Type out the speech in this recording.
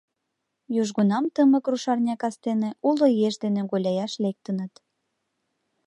Южгунам тымык рушарня кастене уло еш дене гуляяш лектыныт.